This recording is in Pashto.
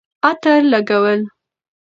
عطر لګول